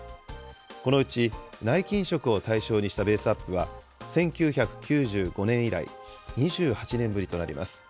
このうち内勤職を対象にしたベースアップは、１９９５年以来２８年ぶりとなります。